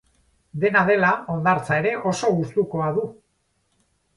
Dena dela, hondartza ere oso gustukoa du.